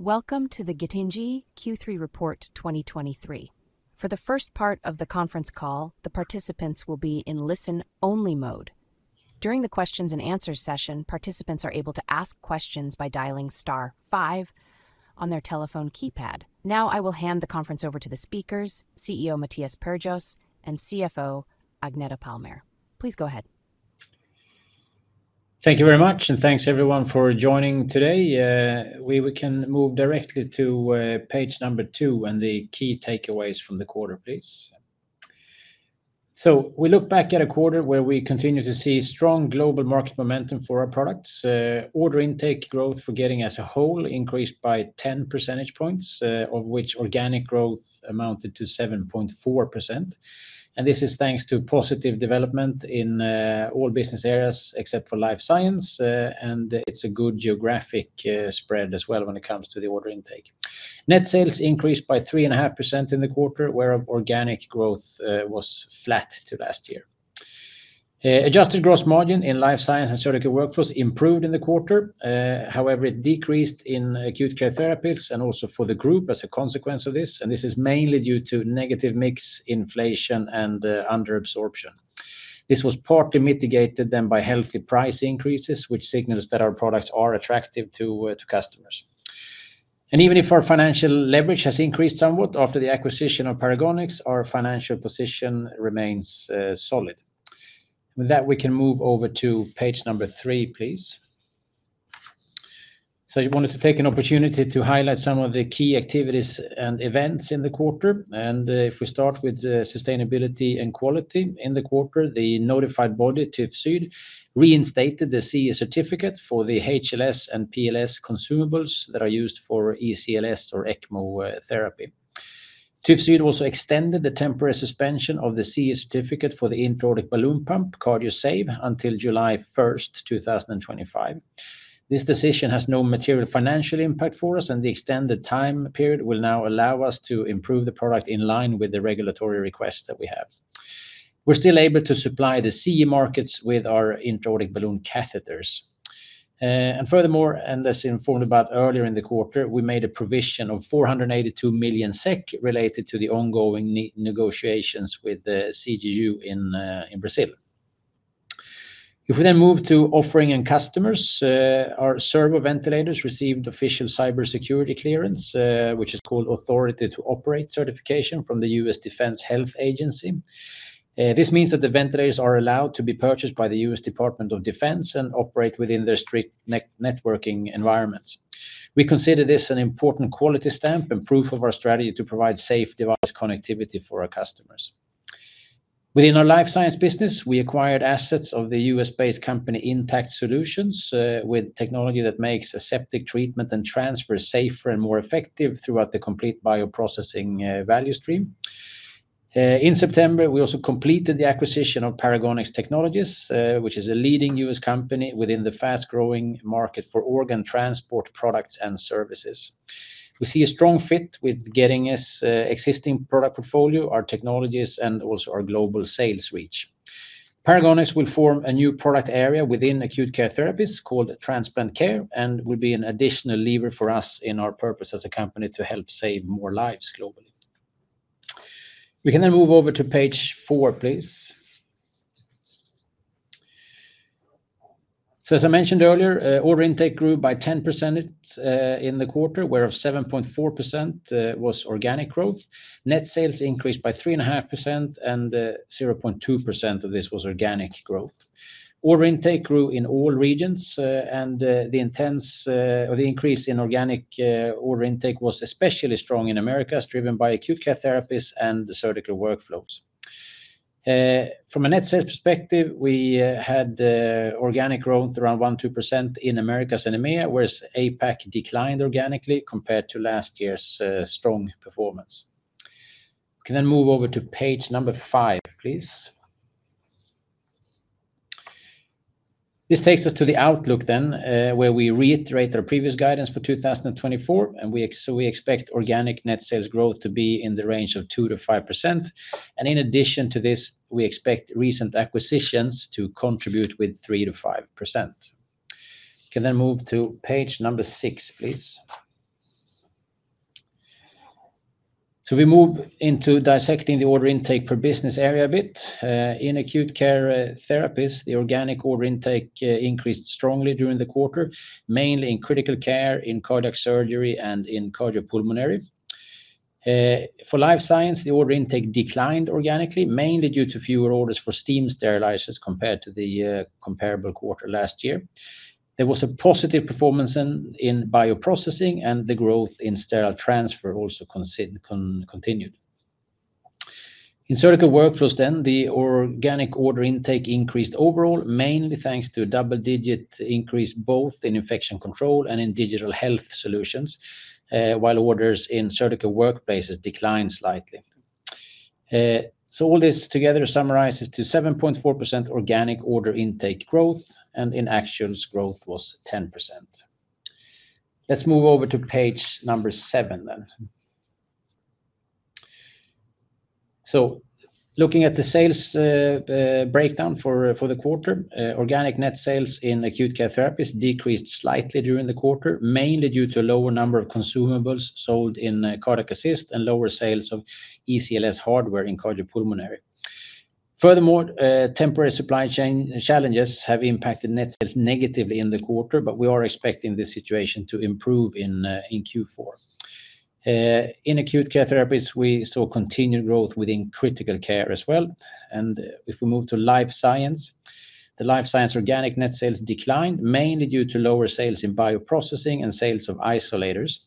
Welcome to the Getinge Q3 Report 2023. For the first part of the conference call, the participants will be in listen-only mode. During the questions and answers session, participants are able to ask questions by dialing star five on their telephone keypad. Now, I will hand the conference over to the speakers, CEO Mattias Perjos and CFO Agneta Palmér. Please go ahead. Thank you very much, and thanks everyone for joining today. We can move directly to page number two, and the key takeaways from the quarter, please. We look back at a quarter where we continue to see strong global market momentum for our products. Order intake growth for Getinge as a whole increased by 10 percentage points, of which organic growth amounted to 7.4%. This is thanks to positive development in all business areas except for Life Science, and it's a good geographic spread as well when it comes to the order intake. Net sales increased by 3.5% in the quarter, where organic growth was flat to last year. Adjusted gross margin in Life Science and Surgical Workflows improved in the quarter. However, it decreased in Acute Care Therapies and also for the group as a consequence of this, and this is mainly due to negative mix inflation and under absorption. This was partly mitigated then by healthy price increases, which signals that our products are attractive to to customers. And even if our financial leverage has increased somewhat after the acquisition of Paragonix, our financial position remains solid. With that, we can move over to page number three, please. So I wanted to take an opportunity to highlight some of the key activities and events in the quarter. And if we start with sustainability and quality in the quarter, the notified body, TÜV SÜD, reinstated the CE certificate for the HLS and PLS consumables that are used for ECLS or ECMO therapy. TÜV SÜD also extended the temporary suspension of the CE certificate for the intra-aortic balloon pump, Cardiosave, until July 1st, 2025. This decision has no material financial impact for us, and the extended time period will now allow us to improve the product in line with the regulatory request that we have. We're still able to supply the CE markets with our intra-aortic balloon catheters. Furthermore, as informed about earlier in the quarter, we made a provision of 482 million SEK, related to the ongoing negotiations with the CGU in Brazil. If we then move to offerings to customers, our Servo ventilators received official cybersecurity clearance, which is called Authority to Operate certification from the US Defense Health Agency. This means that the ventilators are allowed to be purchased by the U.S. Department of Defense and operate within their strict networking environments. We consider this an important quality stamp and proof of our strategy to provide safe device connectivity for our customers. Within our life science business, we acquired assets of the U.S.-based company, Intact Solutions, with technology that makes aseptic treatment and transfer safer and more effective throughout the complete bioprocessing value stream. In September, we also completed the acquisition of Paragonix Technologies, which is a leading U.S. company within the fast-growing market for organ transport products and services. We see a strong fit with Getinge's existing product portfolio, our technologies, and also our global sales reach. Paragonix will form a new product area within Acute Care Therapies called Transplant Care, and will be an additional lever for us in our purpose as a company to help save more lives globally. We can then move over to page four, please. So as I mentioned earlier, order intake grew by 10%, in the quarter, whereof 7.4% was organic growth. Net sales increased by 3.5%, and, zero point two percent of this was organic growth. Order intake grew in all regions, and the increase in organic order intake was especially strong in Americas, driven by Acute Care Therapies and the Surgical Workflows. From a net sales perspective, we had organic growth around 1-2% in Americas and EMEA, whereas APAC declined organically compared to last year's strong performance. We can then move over to page number five, please. This takes us to the outlook then, where we reiterate our previous guidance for two thousand and twenty-four, and we expect organic net sales growth to be in the range of 2-5%. And in addition to this, we expect recent acquisitions to contribute with 3-5%. We can then move to page number six, please. So we move into dissecting the order intake per business area a bit. In Acute Care Therapies, the organic order intake increased strongly during the quarter, mainly in critical care, in cardiac surgery, and in cardiopulmonary. For Life Science, the order intake declined organically, mainly due to fewer orders for steam sterilizers compared to the comparable quarter last year. There was a positive performance in bioprocessing, and the growth in sterile transfer also continued. In Surgical Workflows then, the organic order intake increased overall, mainly thanks to a double-digit increase both in infection control and in digital health solutions, while orders in surgical workplaces declined slightly, so all this together summarizes to 7.4% organic order intake growth, and in Acute Care, growth was 10%. Let's move over to page number seven then. So looking at the sales breakdown for the quarter, organic net sales in Acute Care Therapies decreased slightly during the quarter, mainly due to a lower number of consumables sold in cardiac assist and lower sales of ECLS hardware in cardiopulmonary. Furthermore, temporary supply chain challenges have impacted net sales negatively in the quarter, but we are expecting this situation to improve in Q4. In Acute Care Therapies, we saw continued growth within critical care as well. And if we move to Life Science, the Life Science organic net sales declined, mainly due to lower sales in bioprocessing and sales of isolators.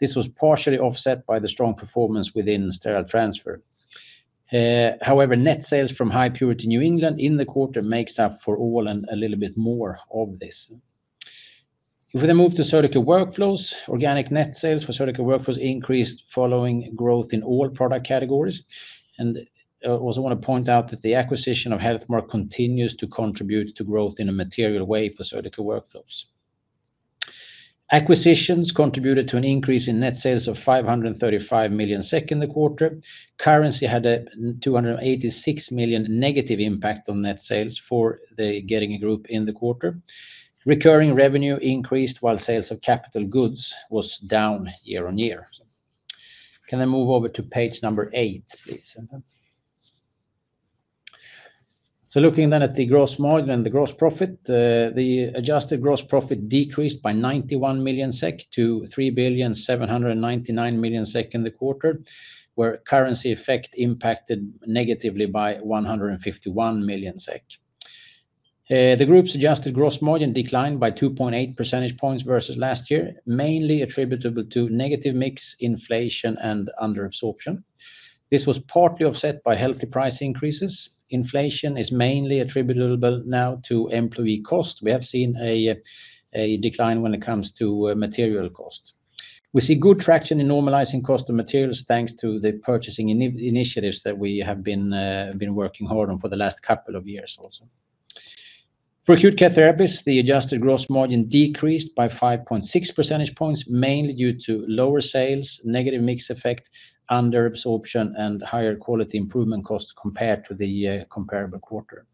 This was partially offset by the strong performance within sterile transfer. However, net sales from High Purity New England in the quarter makes up for all and a little bit more of this. If we then move to surgical workflows, organic net sales for surgical workflows increased following growth in all product categories, and I also want to point out that the acquisition of Healthmark continues to contribute to growth in a material way for surgical workflows. Acquisitions contributed to an increase in net sales of 535 million in the quarter. Currency had a 286 million negative impact on net sales for the Getinge Group in the quarter. Recurring revenue increased while sales of capital goods was down year on year. Can I move over to page number eight, please? Looking then at the gross margin and the gross profit, the adjusted gross profit decreased by 91 million SEK to 3,799 million SEK in the quarter, where currency effect impacted negatively by 151 million SEK. The group's adjusted gross margin declined by 2.8 percentage points versus last year, mainly attributable to negative mix inflation and under absorption. This was partly offset by healthy price increases. Inflation is mainly attributable now to employee cost. We have seen a decline when it comes to material cost. We see good traction in normalizing cost of materials, thanks to the purchasing initiatives that we have been working hard on for the last couple of years also. For Acute Care Therapies, the adjusted gross margin decreased by 5.6 percentage points, mainly due to lower sales, negative mix effect, under absorption, and higher quality improvement costs compared to the comparable quarter.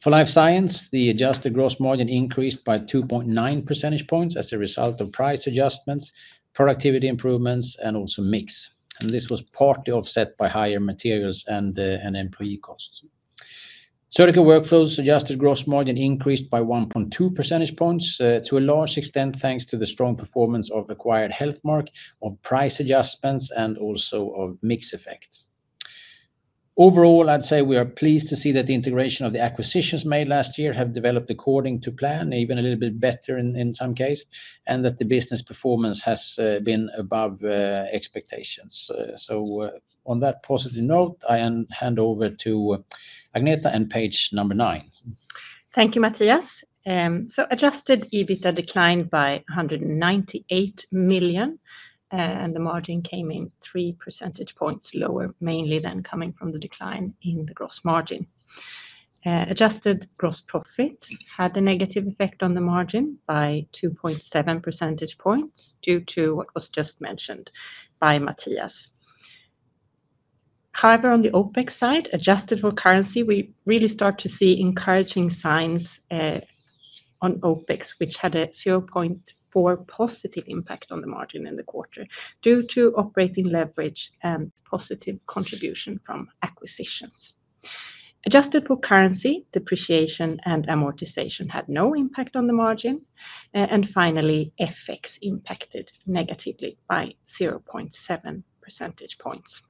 For Life Science, the adjusted gross margin increased by 2.9 percentage points as a result of price adjustments, productivity improvements, and also mix. And this was partly offset by higher materials and employee costs. Surgical Workflows adjusted gross margin increased by 1.2 percentage points, to a large extent, thanks to the strong performance of acquired Healthmark on price adjustments and also of mix effects. Overall, I'd say we are pleased to see that the integration of the acquisitions made last year have developed according to plan, even a little bit better in some case, and that the business performance has been above expectations. So, on that positive note, I hand over to Agneta and page number nine. Thank you, Mattias. So adjusted EBITDA declined by 198 million, and the margin came in three percentage points lower, mainly than coming from the decline in the gross margin. Adjusted gross profit had a negative effect on the margin by 2.7 percentage points due to what was just mentioned by Mattias. However, on the OpEx side, adjusted for currency, we really start to see encouraging signs on OpEx, which had a 0.4 positive impact on the margin in the quarter due to operating leverage and positive contribution from acquisitions. Adjusted for currency, depreciation and amortization had no impact on the margin, and finally, FX impacted negatively by 0.7 percentage points.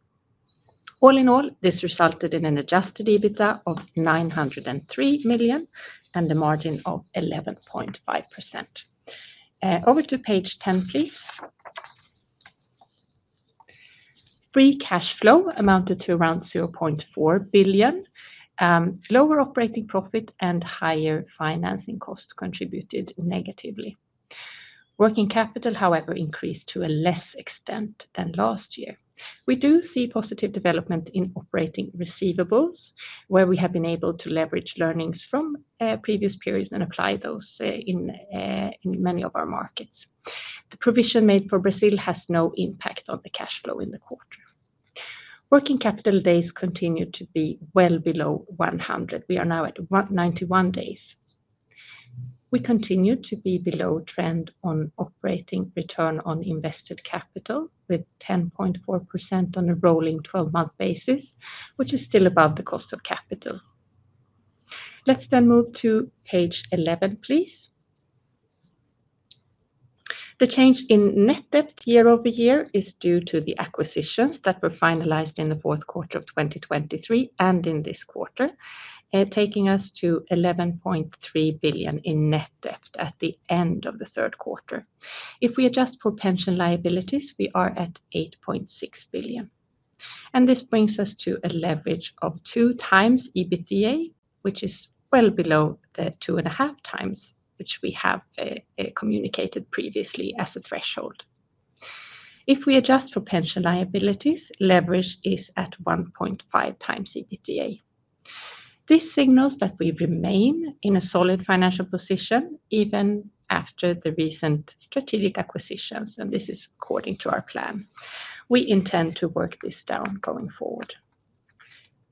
All in all, this resulted in an adjusted EBITDA of 903 million and a margin of 11.5%. Over to page ten, please. Free cash flow amounted to around 0.4 billion. Lower operating profit and higher financing cost contributed negatively. Working capital, however, increased to a less extent than last year. We do see positive development in operating receivables, where we have been able to leverage learnings from previous periods and apply those in many of our markets. The provision made for Brazil has no impact on the cash flow in the quarter. Working capital days continue to be well below 100. We are now at 191 days. We continue to be below trend on operating return on invested capital, with 10.4% on a rolling twelve-month basis, which is still above the cost of capital. Let's then move to page eleven, please. The change in net debt year over year is due to the acquisitions that were finalized in the fourth quarter of 2023 and in this quarter, taking us to 11.3 billion in net debt at the end of the third quarter. If we adjust for pension liabilities, we are at 8.6 billion, and this brings us to a leverage of 2 times EBITDA, which is well below the 2.5 times, which we have communicated previously as a threshold. If we adjust for pension liabilities, leverage is at 1.5 times EBITDA. This signals that we remain in a solid financial position, even after the recent strategic acquisitions, and this is according to our plan. We intend to work this down going forward.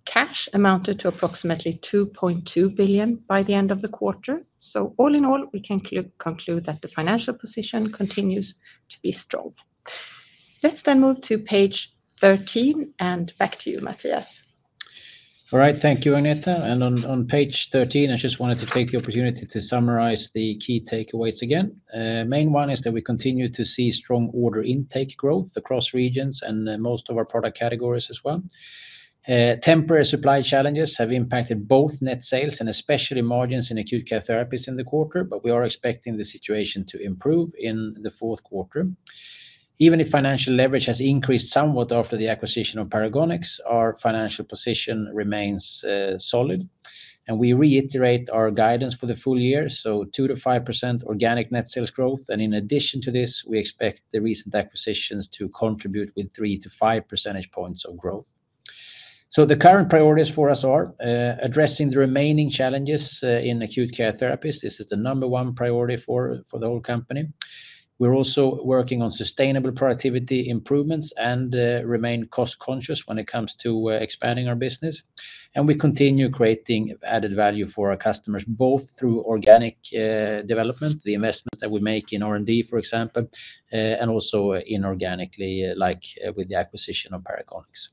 Cash amounted to approximately 2.2 billion by the end of the quarter. So all in all, we can conclude that the financial position continues to be strong. Let's then move to page 13, and back to you, Mattias. All right, thank you, Agneta. On page 13, I just wanted to take the opportunity to summarize the key takeaways again. Main one is that we continue to see strong order intake growth across regions and most of our product categories as well. Temporary supply challenges have impacted both net sales and especially margins in Acute Care Therapies in the quarter, but we are expecting the situation to improve in the fourth quarter. Even if financial leverage has increased somewhat after the acquisition of Paragonix, our financial position remains solid, and we reiterate our guidance for the full year, so 2%-5% organic net sales growth. And in addition to this, we expect the recent acquisitions to contribute with 3-5 percentage points of growth. So the current priorities for us are addressing the remaining challenges in Acute Care Therapies. This is the number one priority for the whole company. We're also working on sustainable productivity improvements and remain cost-conscious when it comes to expanding our business. And we continue creating added value for our customers, both through organic development, the investment that we make in R&D, for example, and also inorganically, like, with the acquisition of Paragonix.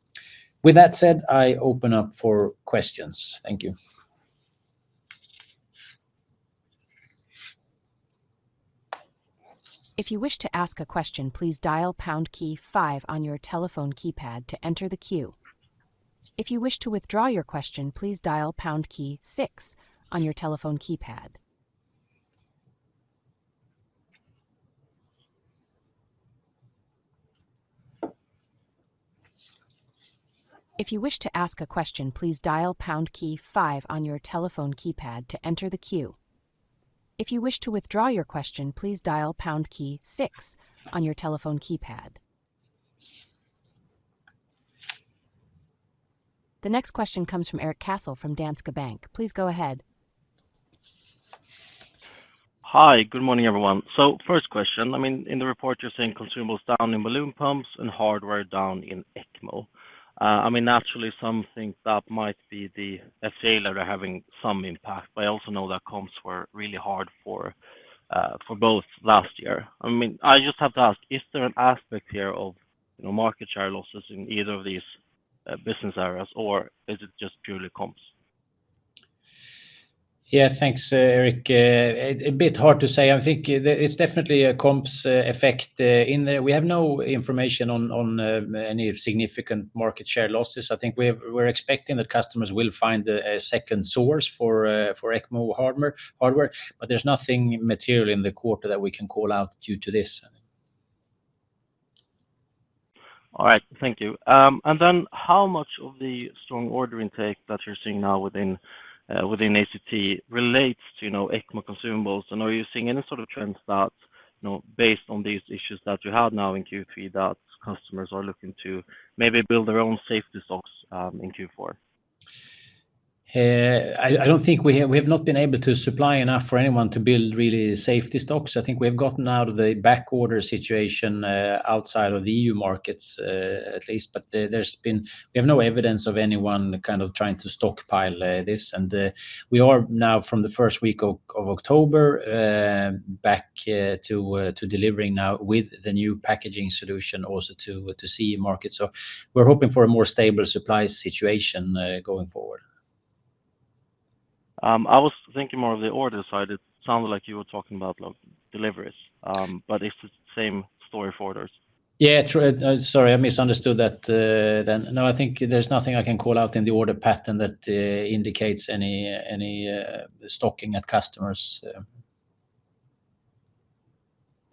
With that said, I open up for questions. Thank you. If you wish to ask a question, please dial pound key five on your telephone keypad to enter the queue. If you wish to withdraw your question, please dial pound key six on your telephone keypad. The next question comes from Erik Cassel, from Danske Bank. Please go ahead. Hi, good morning, everyone, so first question, I mean, in the report, you're saying consumables down in balloon pumps and hardware down in ECMO. I mean, naturally, some think that might be the sales that are having some impact, but I also know that comps were really hard for both last year. I mean, I just have to ask, is there an aspect here of, you know, market share losses in either of these business areas, or is it just purely comps? Yeah, thanks, Erik. A bit hard to say. I think it's definitely a comps effect in there. We have no information on any significant market share losses. I think we're expecting that customers will find a second source for ECMO hardware, but there's nothing material in the quarter that we can call out due to this. All right, thank you, and then how much of the strong order intake that you're seeing now within ACT relates to, you know, ECMO consumables, and are you seeing any sort of trends that, you know, based on these issues that you have now in Q3, that customers are looking to maybe build their own safety stocks in Q4? I don't think we have—we have not been able to supply enough for anyone to build really safety stocks. I think we have gotten out of the backorder situation outside of the EU markets, at least. But there, there's been... We have no evidence of anyone kind of trying to stockpile this. And we are now, from the first week of October, back to delivering now with the new packaging solution also to CE market. So we're hoping for a more stable supply situation going forward. I was thinking more of the order side. It sounded like you were talking about like deliveries, but it's the same story for orders. Yeah, true. Sorry, I misunderstood that, then. No, I think there's nothing I can call out in the order pattern that indicates any stocking at customers.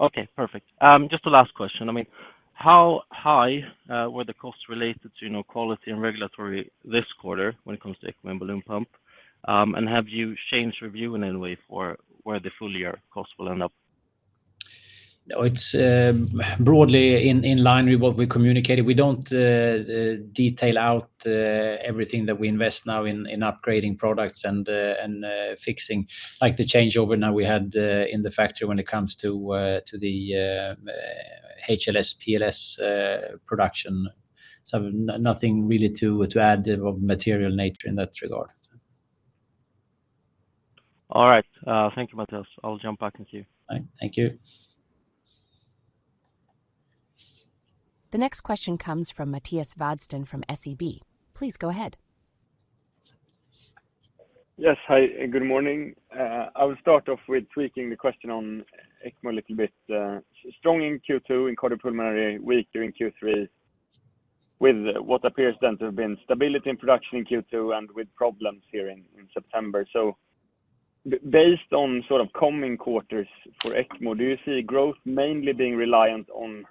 Okay, perfect. Just a last question. I mean, how high were the costs related to, you know, quality and regulatory this quarter when it comes to ECMO and balloon pump? And have you changed view in any way for where the full year costs will end up? No, it's broadly in line with what we communicated. We don't detail out everything that we invest now in upgrading products and fixing, like the changeover now we had in the factory when it comes to the HLS, PLS production. So nothing really to add of material nature in that regard. All right. Thank you, Mattias. I'll jump back into you. All right. Thank you. The next question comes from Mattias Vadsten from SEB. Please go ahead. Yes. Hi, good morning. I will start off with tweaking the question on ECMO a little bit. Strong in Q2, in cardiopulmonary, weak during Q3, with what appears then to have been stability in production in Q2 and with problems here in September. So based on sort of coming quarters for ECMO, do you see growth mainly being reliant on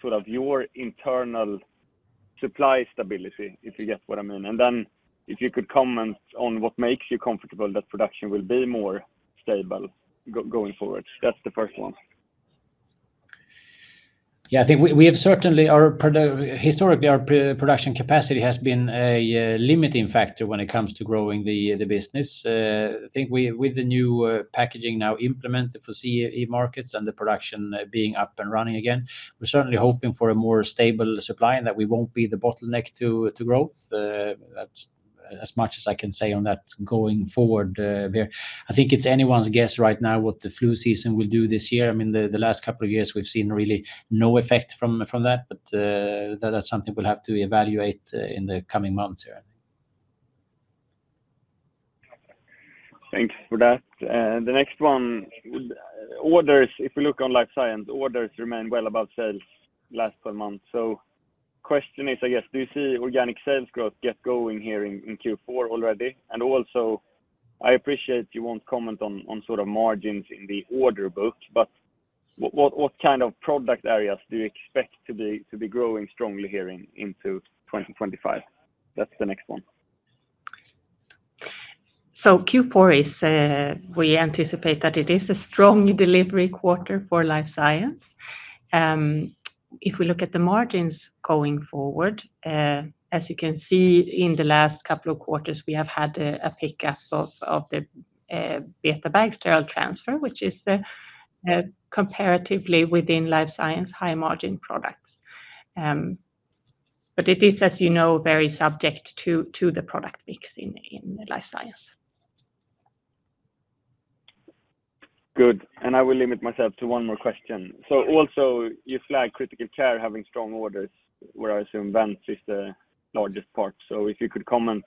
sort of your internal supply stability, if you get what I mean? And then if you could comment on what makes you comfortable that production will be more stable going forward. That's the first one. Yeah, I think we have certainly our production capacity has been historically a limiting factor when it comes to growing the business. I think with the new packaging now implemented for CE markets and the production being up and running again, we're certainly hoping for a more stable supply and that we won't be the bottleneck to growth. That's as much as I can say on that going forward there. I think it's anyone's guess right now what the flu season will do this year. I mean, the last couple of years we've seen really no effect from that, but that is something we'll have to evaluate in the coming months here. Thanks for that. The next one, orders, if we look on Life Science, orders remain well above sales last four months. The question is, I guess, do you see organic sales growth get going here in Q4 already? And also, I appreciate you won't comment on sort of margins in the order book, but what kind of product areas do you expect to be growing strongly here in, into 2025? That's the next one. Q4 is, we anticipate that it is a strong delivery quarter for Life Science. If we look at the margins going forward, as you can see, in the last couple of quarters, we have had a pickup of the BetaBag sterile transfer, which is, comparatively within Life Science, high-margin products. It is, as you know, very subject to the product mix in Life Science. Good. And I will limit myself to one more question. So also, you flag critical care having strong orders, where I assume vents is the largest part. So if you could comment,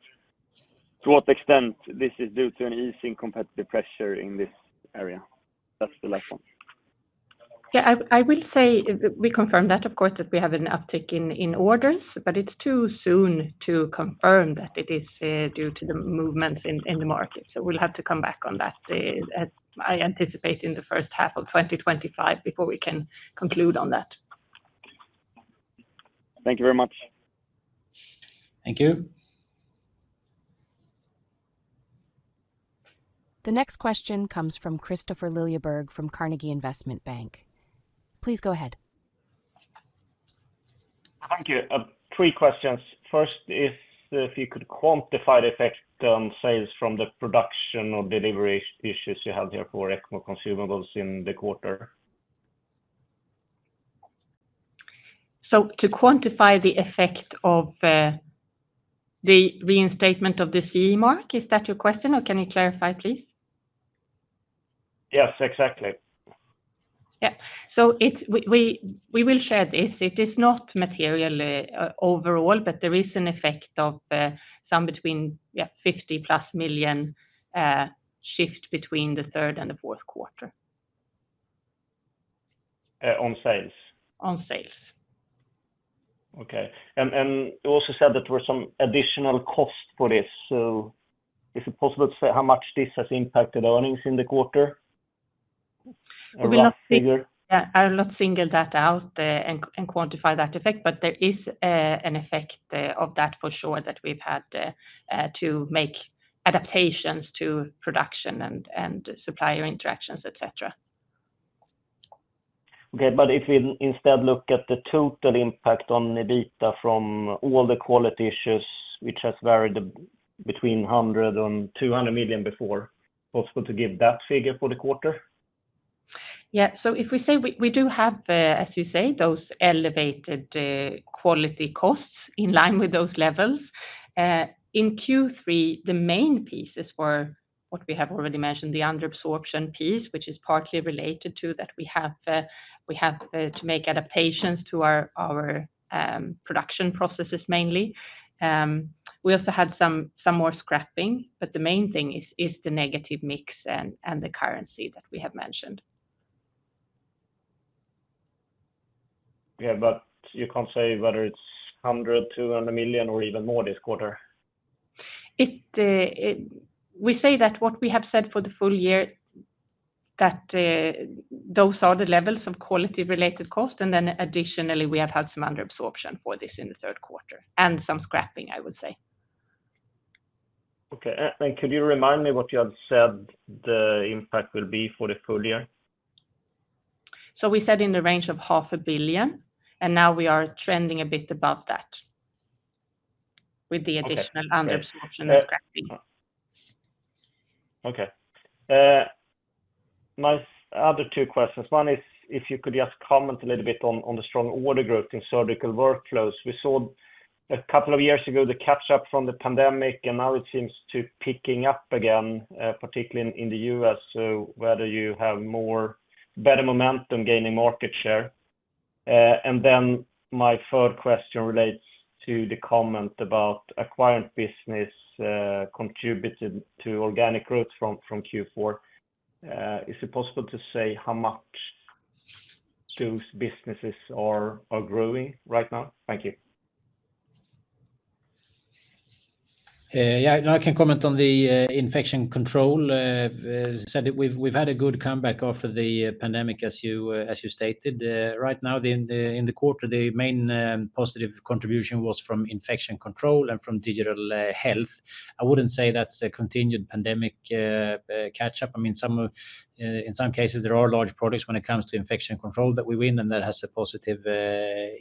to what extent this is due to an easing competitive pressure in this area? That's the last one. Yeah, I will say we confirm that, of course, that we have an uptick in orders, but it's too soon to confirm that it is due to the movements in the market. So we'll have to come back on that at, I anticipate, in the first half of twenty twenty-five before we can conclude on that. Thank you very much. Thank you. The next question comes from Kristofer Liljeberg from Carnegie Investment Bank. Please go ahead. Thank you. Three questions. First, if you could quantify the effect on sales from the production or delivery issues you have there for ECMO consumables in the quarter? To quantify the effect of the reinstatement of the CE mark, is that your question, or can you clarify, please? Yes, exactly. Yeah. So it's. We will share this. It is not material overall, but there is an effect of some between, yeah, 50+ million shift between the third and the fourth quarter. On sales? On sales. Okay. And you also said that there were some additional costs for this. So is it possible to say how much this has impacted earnings in the quarter? A rough figure. Yeah, I will not single that out, and quantify that effect, but there is an effect of that for sure, that we've had to make adaptations to production and supplier interactions, et cetera. Okay, but if we instead look at the total impact on EBITDA from all the quality issues, which has varied between 100 million and 200 million before, possible to give that figure for the quarter? Yeah. So if we say we do have, as you say, those elevated quality costs in line with those levels. In Q3, the main pieces were what we have already mentioned, the under absorption piece, which is partly related to that we have to make adaptations to our production processes, mainly. We also had some more scrapping, but the main thing is the negative mix and the currency that we have mentioned. Yeah, but you can't say whether it's hundred, two hundred million or even more this quarter? We say that what we have said for the full year, that those are the levels of quality-related cost, and then additionally, we have had some under absorption for this in the third quarter, and some scrapping, I would say. Okay. Could you remind me what you have said the impact will be for the full year? So we said in the range of 500 million, and now we are trending a bit above that with the additional- Okay. under absorption and scrapping. Okay. My other two questions, one is, if you could just comment a little bit on the strong order growth in Surgical Workflows. We saw a couple of years ago the catch up from the pandemic, and now it seems to picking up again, particularly in the US. So whether you have more better momentum gaining market share. And then my third question relates to the comment about acquired business contributed to organic growth from Q4. Is it possible to say how much those businesses are growing right now? Thank you. Yeah, I can comment on the infection control. As I said, we've had a good comeback after the pandemic, as you stated. Right now, in the quarter, the main positive contribution was from infection control and from digital health. I wouldn't say that's a continued pandemic catch up. I mean, in some cases, there are large products when it comes to infection control that we win, and that has a positive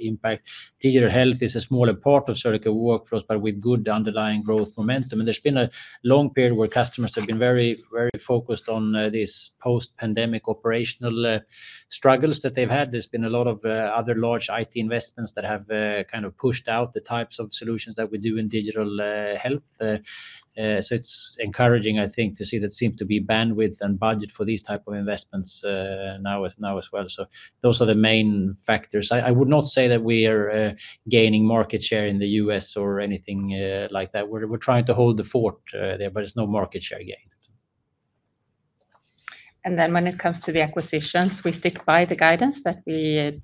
impact. Digital health is a smaller part of surgical workflows, but with good underlying growth momentum. There's been a long period where customers have been very focused on this post-pandemic operational struggles that they've had. There's been a lot of other large IT investments that have kind of pushed out the types of solutions that we do in digital health, so it's encouraging, I think, to see that seem to be bandwidth and budget for these type of investments now as well, so those are the main factors. I would not say that we are gaining market share in the US or anything like that. We're trying to hold the fort there, but there's no market share gained. Then when it comes to the acquisitions, we stick by the guidance that we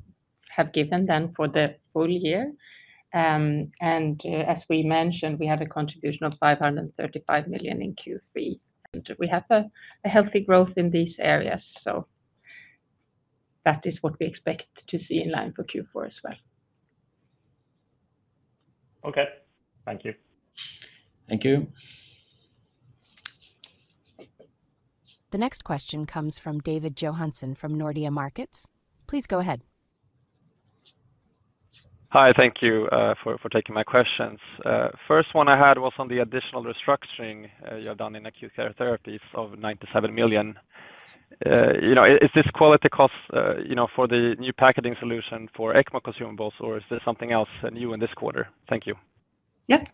have given them for the full year. As we mentioned, we have a contribution of 535 million in Q3. We have a healthy growth in these areas, so that is what we expect to see in line for Q4 as well. Okay. Thank you. Thank you. The next question comes from David Johansson from Nordea Markets. Please go ahead. Hi, thank you for taking my questions. First one I had was on the additional restructuring you have done in Acute Care Therapies of 97 million. You know, is this quality cost, you know, for the new packaging solution for ECMO consumables, or is there something else new in this quarter? Thank you. Yeah.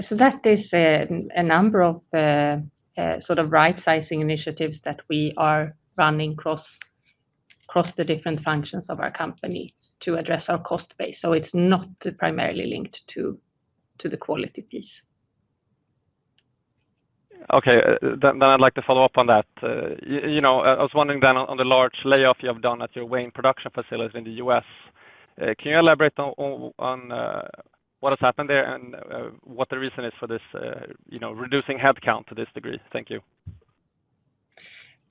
So that is a number of sort of right-sizing initiatives that we are running across the different functions of our company to address our cost base. So it's not primarily linked to the quality piece. Okay. Then I'd like to follow up on that. You know, I was wondering then on the large layoff you have done at your Wayne production facility in the US. Can you elaborate on what has happened there and what the reason is for this, you know, reducing headcount to this degree? Thank you.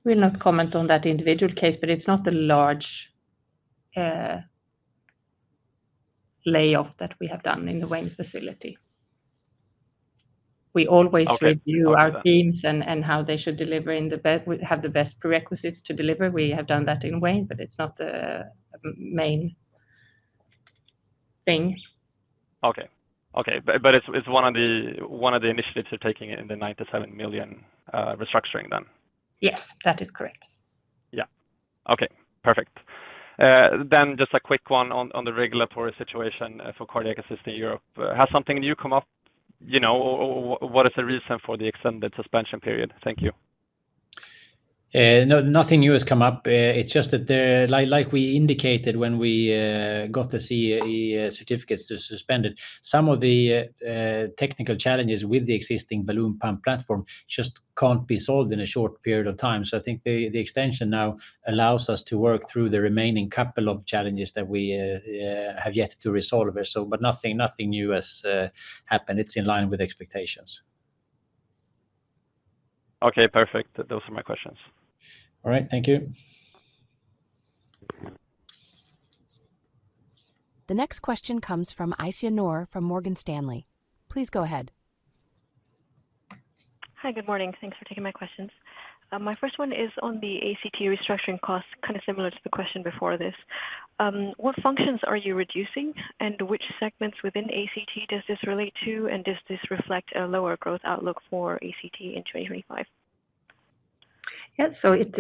We'll not comment on that individual case, but it's not a large layoff that we have done in the Wayne facility. We always- Okay... review our teams and how they should deliver in the best, we have the best prerequisites to deliver. We have done that in Wayne, but it's not the main thing. Okay, but it's one of the initiatives you're taking in the 97 million restructuring then? Yes, that is correct. Yeah. Okay, perfect. Then just a quick one on the regulatory situation for cardiac assist in Europe. Has something new come up? You know, or what is the reason for the extended suspension period? Thank you. No, nothing new has come up. It's just that, like we indicated when we got the CE certificates suspended, some of the technical challenges with the existing balloon pump platform just can't be solved in a short period of time, so I think the extension now allows us to work through the remaining couple of challenges that we have yet to resolve, but nothing new has happened. It's in line with expectations. Okay, perfect. Those are my questions. All right. Thank you. The next question comes from Aisyah Noor from Morgan Stanley. Please go ahead. Hi, good morning. Thanks for taking my questions. My first one is on the ACT restructuring cost, kind of similar to the question before this. What functions are you reducing, and which segments within ACT does this relate to, and does this reflect a lower growth outlook for ACT in 2025? Yeah, so it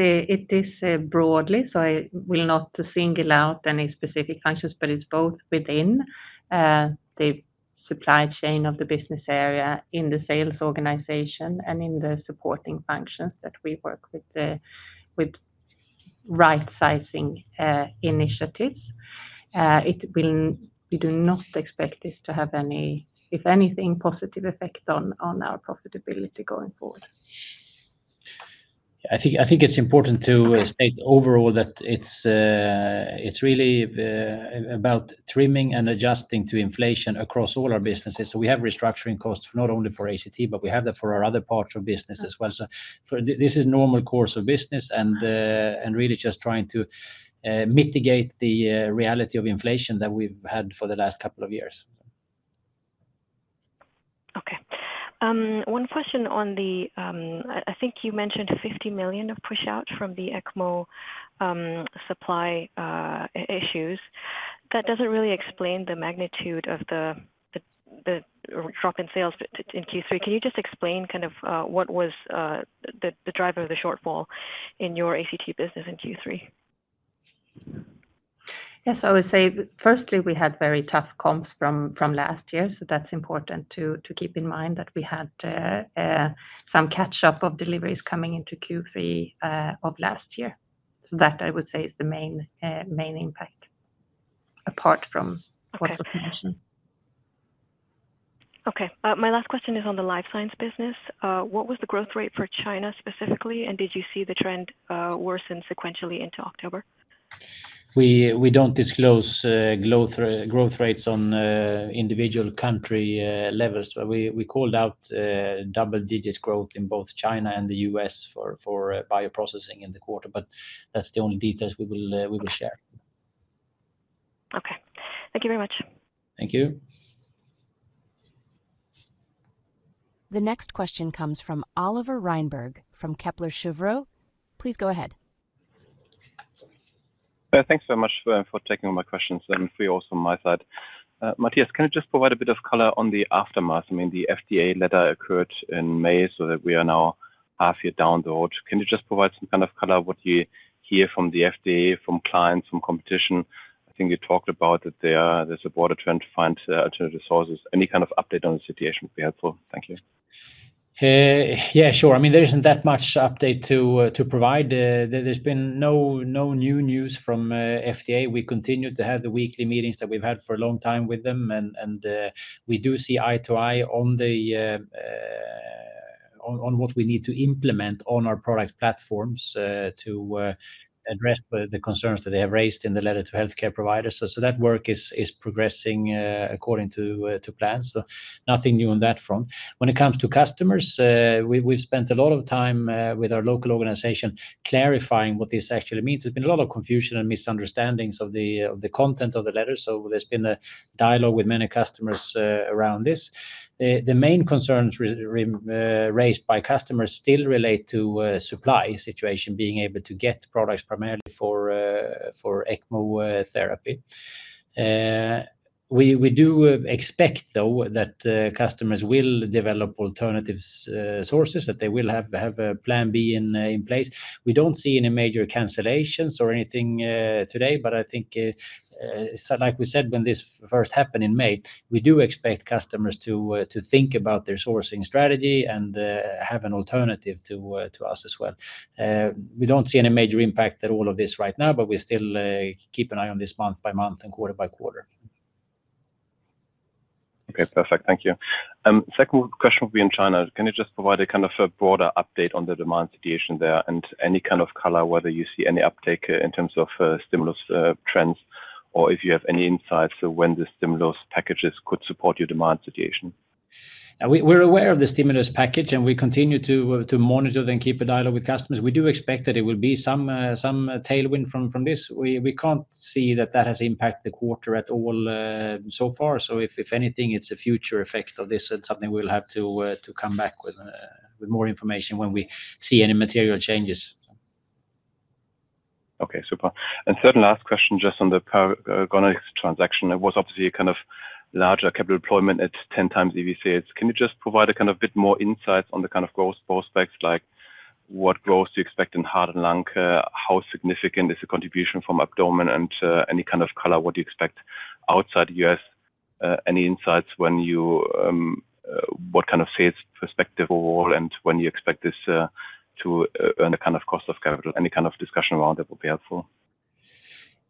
is broadly, so I will not single out any specific functions, but it's both within the supply chain of the business area, in the sales organization, and in the supporting functions that we work with right sizing initiatives. It will. We do not expect this to have any, if anything, positive effect on our profitability going forward. I think it's important to state overall that it's really about trimming and adjusting to inflation across all our businesses. So we have restructuring costs not only for ACT, but we have that for our other parts of business as well. This is normal course of business and really just trying to mitigate the reality of inflation that we've had for the last couple of years. Okay. One question on the. I think you mentioned 50 million of push out from the ECMO supply issues. That doesn't really explain the magnitude of the drop in sales in Q3. Can you just explain kind of what was the driver of the shortfall in your ACT business in Q3? Yes, I would say, firstly, we had very tough comps from last year, so that's important to keep in mind that we had some catch-up of deliveries coming into Q3 of last year. So that, I would say, is the main impact apart from- Okay... inflation. Okay. My last question is on the life science business. What was the growth rate for China specifically, and did you see the trend worsen sequentially into October? We don't disclose growth rates on individual country levels, but we called out double digits growth in both China and the US for bioprocessing in the quarter, but that's the only details we will share. Okay. Thank you very much. Thank you.... The next question comes from Oliver Reinberg from Kepler Cheuvreux. Please go ahead. Thanks so much for taking my questions, and from my side. Mattias, can you just provide a bit of color on the aftermath? I mean, the FDA letter occurred in May, so that we are now half year down the road. Can you just provide some kind of color, what you hear from the FDA, from clients, from competition? I think you talked about that there's a broader trend to find alternative sources. Any kind of update on the situation would be helpful. Thank you. Yeah, sure. I mean, there isn't that much update to provide. There's been no new news from FDA. We continue to have the weekly meetings that we've had for a long time with them, and we do see eye to eye on what we need to implement on our product platforms to address the concerns that they have raised in the letter to healthcare providers. So that work is progressing according to plan, so nothing new on that front. When it comes to customers, we've spent a lot of time with our local organization clarifying what this actually means. There's been a lot of confusion and misunderstandings of the content of the letter, so there's been a dialogue with many customers around this. The main concerns raised by customers still relate to the supply situation, being able to get products primarily for ECMO therapy. We do expect, though, that customers will develop alternative sources, that they will have a plan B in place. We don't see any major cancellations or anything today, but I think, so like we said, when this first happened in May, we do expect customers to think about their sourcing strategy and have an alternative to us as well. We don't see any major impact at all of this right now, but we still keep an eye on this month by month and quarter by quarter. Okay, perfect. Thank you. Second question will be in China. Can you just provide a kind of a broader update on the demand situation there? And any kind of color, whether you see any uptick in terms of stimulus trends, or if you have any insights to when the stimulus packages could support your demand situation? Yeah, we're aware of the stimulus package, and we continue to monitor it and keep a dialogue with customers. We do expect that it will be some tailwind from this. We can't see that that has impacted the quarter at all, so far. So if anything, it's a future effect of this, and something we'll have to come back with more information when we see any material changes. Okay, super. And third and last question, just on the Paragonix transaction. It was obviously a kind of larger capital deployment at 10 times EV/sales. Can you just provide a kind of bit more insight on the kind of growth prospects, like what growth do you expect in heart and lung? How significant is the contribution from abdomen? And any kind of color, what do you expect outside U.S.? Any insights, what kind of sales perspective overall, and when you expect this to earn a kind of cost of capital? Any kind of discussion around that would be helpful.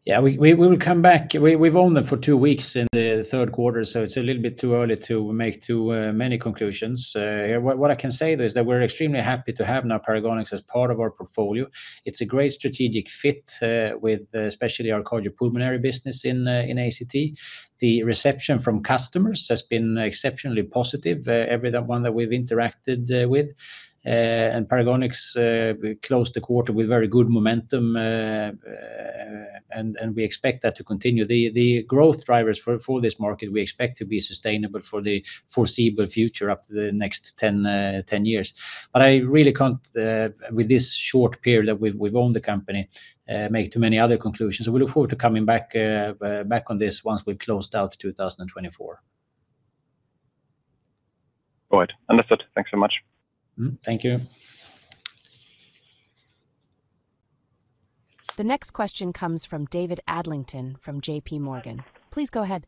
Yeah, we will come back. We've owned them for two weeks in the third quarter, so it's a little bit too early to make too many conclusions. What I can say though is that we're extremely happy to have now Paragonix as part of our portfolio. It's a great strategic fit, especially our cardiopulmonary business in ACT. The reception from customers has been exceptionally positive, every one that we've interacted with. And Paragonix closed the quarter with very good momentum, and we expect that to continue. The growth drivers for this market, we expect to be sustainable for the foreseeable future, up to the next ten years. But I really can't, with this short period that we've owned the company, make too many other conclusions. So we look forward to coming back on this once we've closed out 2024. All right. Understood. Thanks so much. Mm-hmm. Thank you. The next question comes from David Adlington from JP Morgan. Please go ahead.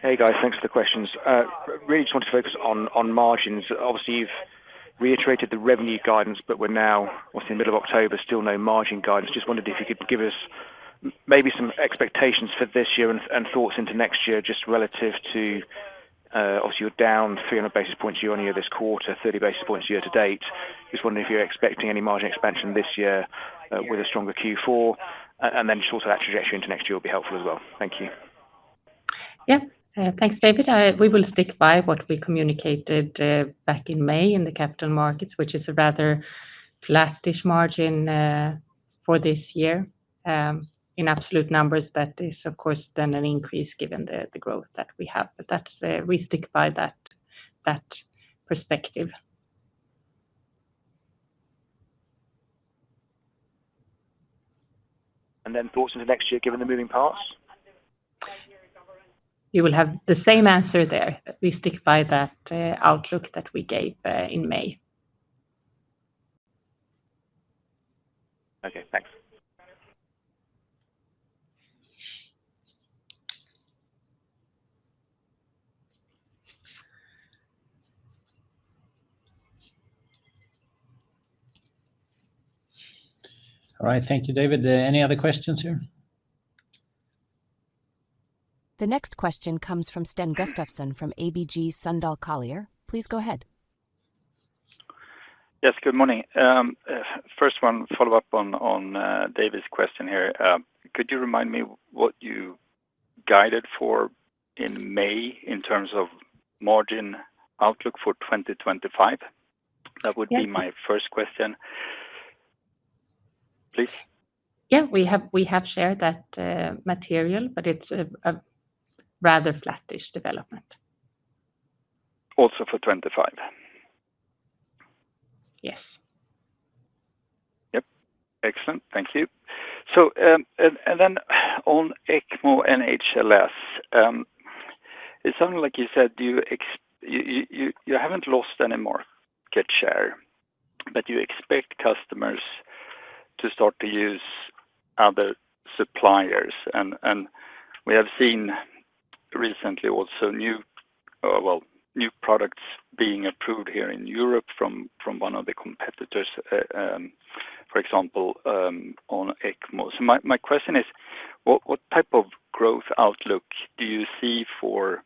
Hey, guys. Thanks for the questions. Really just want to focus on margins. Obviously, you've reiterated the revenue guidance, but we're now in the middle of October, still no margin guidance. Just wondered if you could give us maybe some expectations for this year and thoughts into next year, just relative to. Obviously, you're down three hundred basis points year on year this quarter, thirty basis points year to date. Just wondering if you're expecting any margin expansion this year with a stronger Q4? And then just also that trajectory into next year will be helpful as well. Thank you. Yeah. Thanks, David. We will stick by what we communicated back in May in the capital markets, which is a rather flattish margin for this year. In absolute numbers, that is, of course, then an increase given the growth that we have. But that's we stick by that perspective. And then thoughts into next year, given the moving parts? You will have the same answer there. We stick by that outlook that we gave in May. Okay, thanks. All right. Thank you, David. Any other questions here? The next question comes from Sten Gustafsson, from ABG Sundal Collier. Please go ahead. Yes, good morning. First one, follow up on David's question here. Could you remind me what you guided for in May in terms of margin outlook for 2025? That would be- Yeah My first question, please? Yeah, we have shared that material, but it's a rather flattish development. Also for 2025? Yes. Yep. Excellent. Thank you. So and then on ECMO and HLS, it sounded like you said you haven't lost any more Getinge share, but you expect customers to start to use other suppliers. And we have seen recently also new, well, new products being approved here in Europe from one of the competitors, for example, on ECMO. So my question is: what type of growth outlook do you see for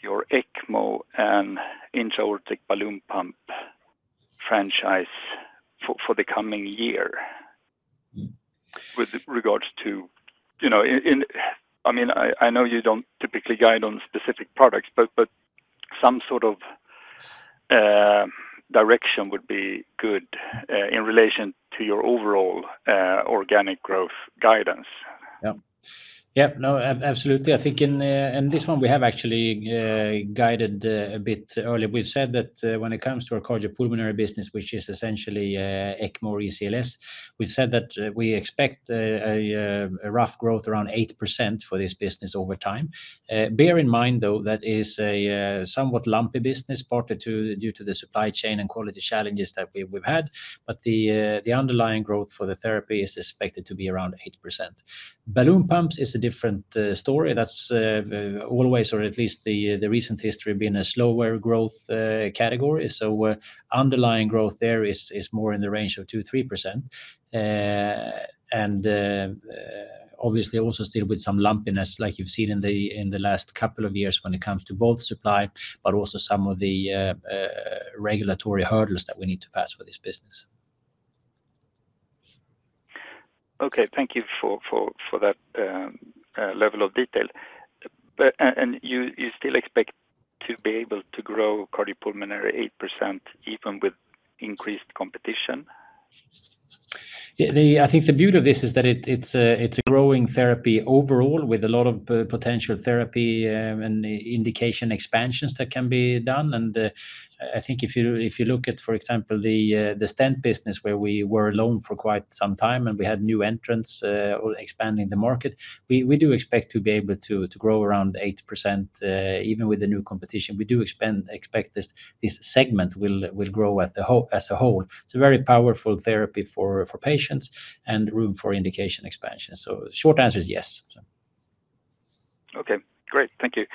your ECMO and intra-aortic balloon pump franchise for the coming year with regards to... You know, in, I mean, I know you don't typically guide on specific products, but some sort of direction would be good, in relation to your overall organic growth guidance. Yeah. Yeah, no, absolutely. I think in this one, we have actually guided a bit earlier. We've said that when it comes to our cardiopulmonary business, which is essentially ECMO or ECLS, we've said that we expect a rough growth around 8% for this business over time. Bear in mind, though, that is a somewhat lumpy business, partly due to the supply chain and quality challenges that we've had, but the underlying growth for the therapy is expected to be around 8%. Balloon pumps is a different story. That's always, or at least the recent history, been a slower growth category. So underlying growth there is more in the range of 2-3%. And, obviously, also still with some lumpiness, like you've seen in the last couple of years when it comes to both supply, but also some of the regulatory hurdles that we need to pass for this business. Okay, thank you for that level of detail. But, and you still expect to be able to grow cardiopulmonary 8%, even with increased competition? Yeah, I think the beauty of this is that it's a growing therapy overall with a lot of potential therapy and indication expansions that can be done. I think if you look at, for example, the stent business, where we were alone for quite some time and we had new entrants expanding the market, we do expect to be able to grow around 8% even with the new competition. We do expect this segment will grow as a whole. It's a very powerful therapy for patients and room for indication expansion. So short answer is yes. Okay, great. Thank you.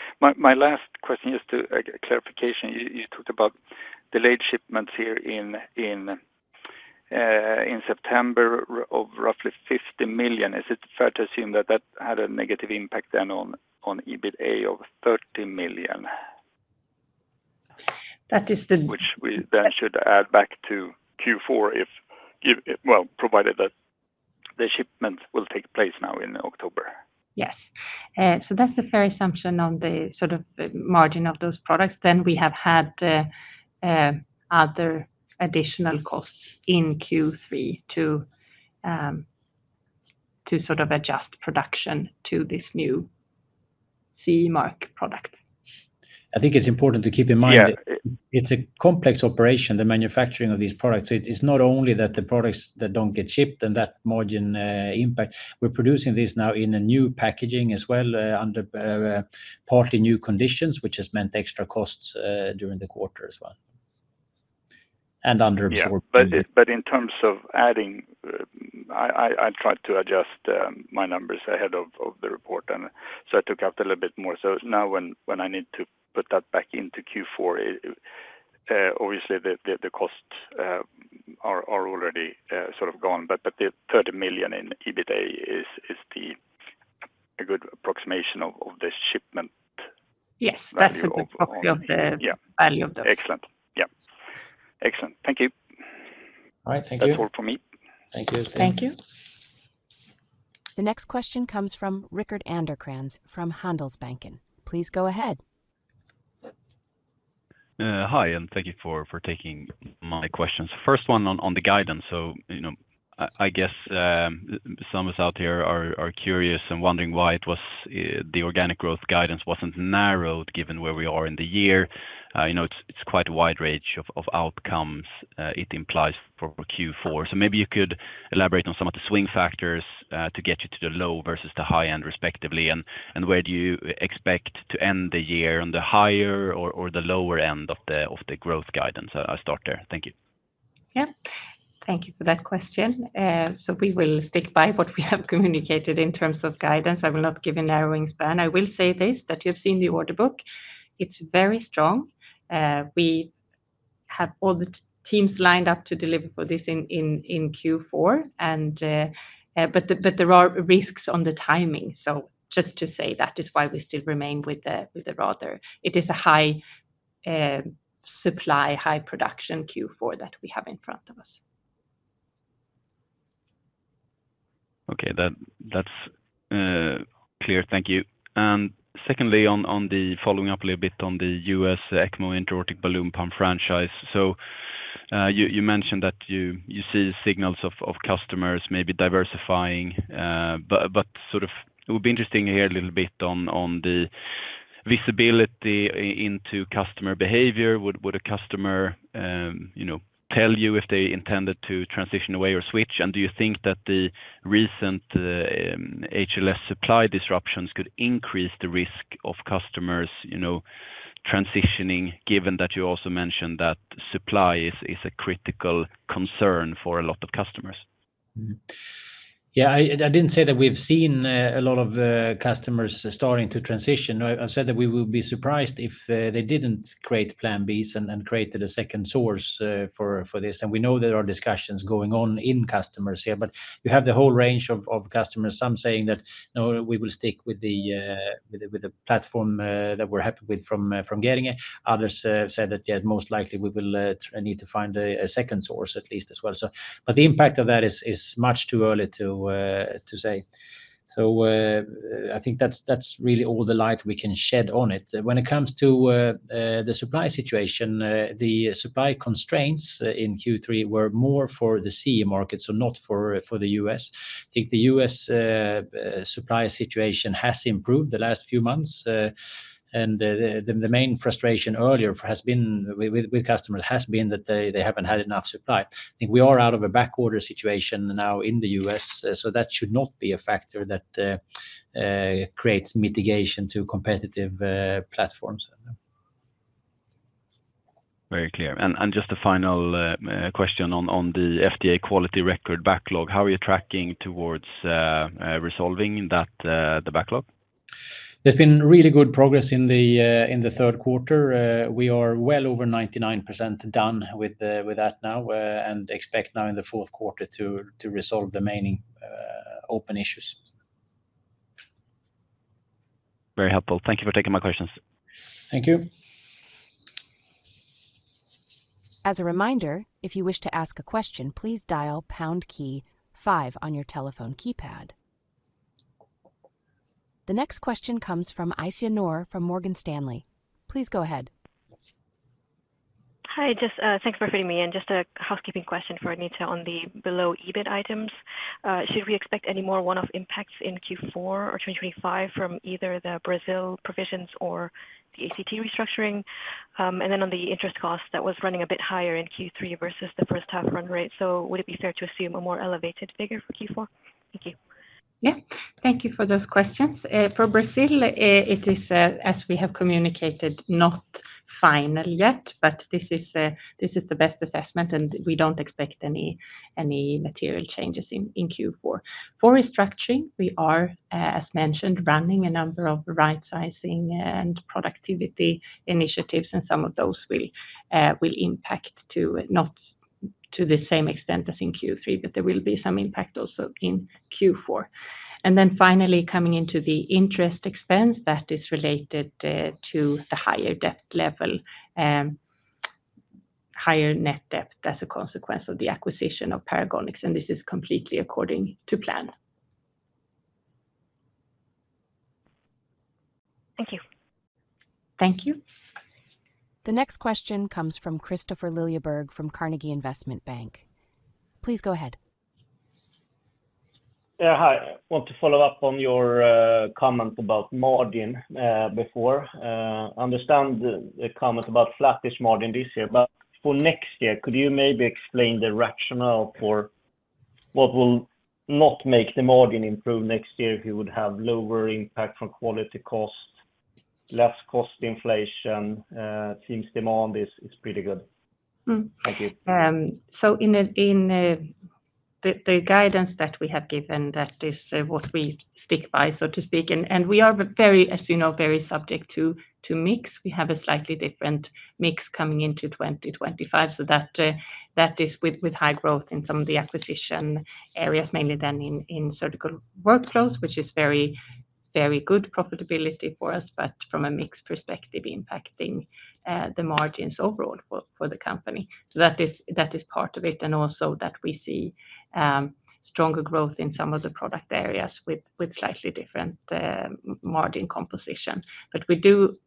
My last question, just to get a clarification. You talked about delayed shipments here in September of roughly 50 million. Is it fair to assume that had a negative impact then on EBITDA of 30 million? That is the Which we then should add back to Q4 if, well, provided that the shipments will take place now in October. Yes. So that's a fair assumption on the sort of margin of those products. Then we have had other additional costs in Q3 to sort of adjust production to this new CE mark product. I think it's important to keep in mind- Yeah... it's a complex operation, the manufacturing of these products. It is not only that the products that don't get shipped and that margin impact. We're producing this now in a new packaging as well, under partly new conditions, which has meant extra costs during the quarter as well, and underabsorbed. Yeah, but in terms of adding, I tried to adjust my numbers ahead of the report, and so I took out a little bit more. So now when I need to put that back into Q4, obviously, the costs are already sort of gone. But the thirty million in EBITDA is a good approximation of the shipment? Yes, that's roughly of the- Yeah... value of those. Excellent. Yeah. Excellent. Thank you. All right, thank you. That's all for me. Thank you. Thank you. The next question comes from Rickard Anderkrans from Handelsbanken. Please go ahead. Hi, and thank you for taking my questions. First one on the guidance. So, you know, I guess some of us out here are curious and wondering why it was the organic growth guidance wasn't narrowed, given where we are in the year. You know, it's quite a wide range of outcomes it implies for Q4. So maybe you could elaborate on some of the swing factors to get you to the low versus the high end, respectively. And where do you expect to end the year, on the higher or the lower end of the growth guidance? I'll start there. Thank you. Yeah. Thank you for that question, so we will stick by what we have communicated in terms of guidance. I will not give a narrowing span. I will say this, that you've seen the order book. It's very strong. We have all the teams lined up to deliver for this in Q4, but there are risks on the timing, so just to say that is why we still remain with the rather... It is a high supply, high production Q4 that we have in front of us. Okay, that, that's clear. Thank you. And secondly, on the following up a little bit on the US ECMO intra-aortic balloon pump franchise. So, you mentioned that you see signals of customers maybe diversifying, but sort of it would be interesting to hear a little bit on the visibility into customer behavior. Would a customer, you know, tell you if they intended to transition away or switch? And do you think that the recent HLS supply disruptions could increase the risk of customers, you know, transitioning, given that you also mentioned that supply is a critical concern for a lot of customers? Yeah, I didn't say that we've seen a lot of the customers starting to transition. No, I've said that we will be surprised if they didn't create plan Bs and created a second source for this. And we know there are discussions going on among customers here, but you have the whole range of customers, some saying that, "No, we will stick with the platform that we're happy with from Getinge." Others said that, "Yeah, most likely we will need to find a second source at least as well." So, but the impact of that is much too early to say. So, I think that's really all the light we can shed on it. When it comes to the supply situation, the supply constraints in Q3 were more for the CE market, so not for the U.S. I think the U.S. supply situation has improved the last few months, and the main frustration earlier has been with customers has been that they haven't had enough supply. I think we are out of a backorder situation now in the U.S., so that should not be a factor that creates mitigation to competitive platforms. Very clear. And just a final question on the FDA quality record backlog. How are you tracking towards resolving that, the backlog? There's been really good progress in the third quarter. We are well over 99% done with that now, and expect now in the fourth quarter to resolve the remaining open issues. Very helpful. Thank you for taking my questions. Thank you. As a reminder, if you wish to ask a question, please dial pound key five on your telephone keypad. The next question comes from Aisyah Noor from Morgan Stanley. Please go ahead. Hi, just thanks for fitting me in. Just a housekeeping question for Agneta on the below EBIT items. Should we expect any more one-off impacts in Q4 or 2025 from either the Brazil provisions or the ACT restructuring? And then on the interest cost, that was running a bit higher in Q3 versus the first half run rate. So would it be fair to assume a more elevated figure for Q4? Thank you. Yeah. Thank you for those questions. For Brazil, it is, as we have communicated, not final yet, but this is the best assessment, and we don't expect any material changes in Q4. For restructuring, we are, as mentioned, running a number of right sizing and productivity initiatives, and some of those will impact to, not to the same extent as in Q3, but there will be some impact also in Q4. And then finally, coming into the interest expense, that is related to the higher debt level, higher net debt as a consequence of the acquisition of Paragonix, and this is completely according to plan. Thank you. Thank you. The next question comes from Kristofer Liljeberg from Carnegie Investment Bank. Please go ahead. Yeah, hi. I want to follow up on your comment about margin before. Understand the comment about flattish margin this year, but for next year, could you maybe explain the rationale for what will not make the margin improve next year if you would have lower impact from quality cost, less cost inflation, since demand is pretty good? Mm. Thank you. So the guidance that we have given, that is what we stick by, so to speak. We are very, as you know, very subject to mix. We have a slightly different mix coming into twenty twenty-five. That is with high growth in some of the acquisition areas, mainly in Surgical Workflows, which is very, very good profitability for us, but from a mix perspective, impacting the margins overall for the company. That is part of it, and also that we see stronger growth in some of the product areas with slightly different margin composition. We do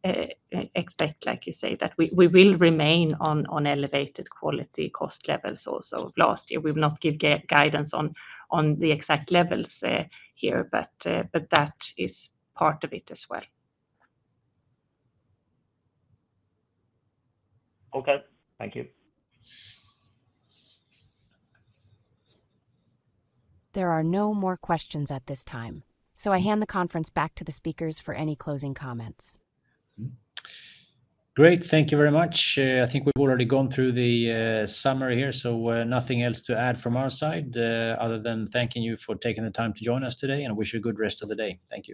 expect, like you say, that we will remain on elevated quality cost levels also of last year. We will not give guidance on the exact levels, but that is part of it as well. Okay. Thank you. There are no more questions at this time, so I hand the conference back to the speakers for any closing comments. Great. Thank you very much. I think we've already gone through the summary here, so nothing else to add from our side, other than thanking you for taking the time to join us today, and wish you a good rest of the day. Thank you.